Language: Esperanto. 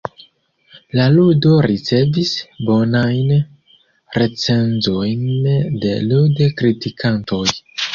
La ludo ricevis bonajn recenzojn de lud-kritikantoj.